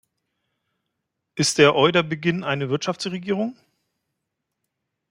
Ist der Euder Beginn einer Wirtschaftsregierung?